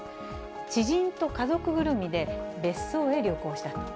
知人と家族ぐるみで別荘へ旅行したと。